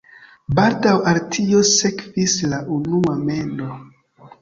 Baldaŭ al tio sekvis la unua mendo.